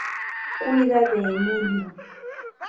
Cuida de Emilio".